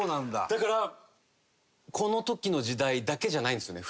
だからこの時の時代だけじゃないんですよね。